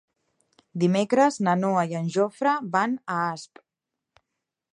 Dimecres na Noa i en Jofre van a Asp.